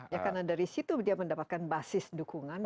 ya karena dari situ dia mendapatkan basis dukungan